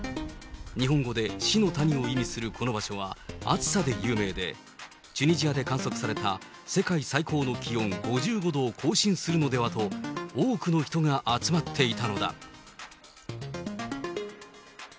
日本語で死の谷を意味するこの場所は暑さで有名で、チュニジアで観測された世界最高の気温５５度を更新するのではと、多くの人が集まっていたのだ。